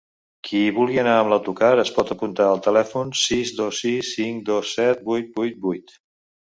Qui hi vulgui anar amb l’autocar es pot apuntar al telèfon sis dos sis cinc dos set vuit vuit vuit.